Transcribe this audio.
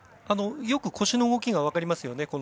よく腰の動きが分かりますね。